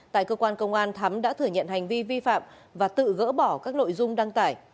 tại cơ quan công an thắm đã thừa nhận hành vi vi phạm và tự gỡ bỏ các nội dung đăng tải